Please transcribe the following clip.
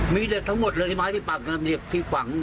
มีเด็กทั้งหมดเลยไม้ที่ปักเหล็กที่ฝัง